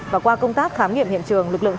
và qua công tác khám nghiệm hiện trường